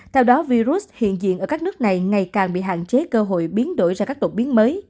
theo đó virus hiện diện ở các nước này ngày càng bị hạn chế cơ hội biến đổi ra các đồn